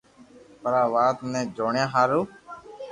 پر آ وات ني جوڻيا ھارون